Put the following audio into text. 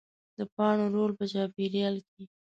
د پاڼو رول په چاپېریال کې